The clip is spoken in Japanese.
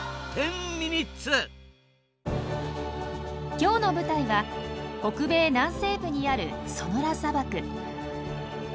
今日の舞台は北米南西部にあるソノラ砂漠。